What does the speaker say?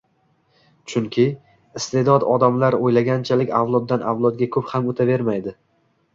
Chunki, isteʼdod odamlar o‘ylaganchalik avloddan-avlodga ko‘p ham o‘tavermaydi.